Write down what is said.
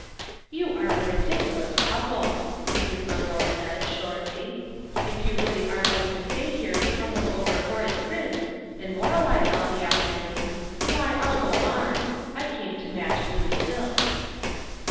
" You are a ridiculous couple !" Mrs. Munroe said, shortly. "If you really are going to stay here and tumble over horrid prints, and moralize all the afternoon, why, I'll go on. I came tc match blue silk."